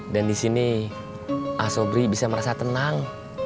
dan disini asobri bisa merasa tenang